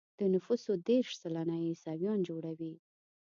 د نفوسو دېرش سلنه يې عیسویان جوړوي.